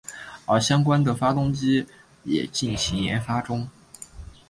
而相关的发动机也进行研发中。